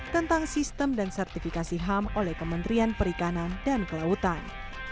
tentang sistem dan sertifikasi ham oleh kementerian perikanan dan kelautan